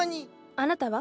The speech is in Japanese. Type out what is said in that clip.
あなたは？